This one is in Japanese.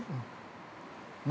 ◆何？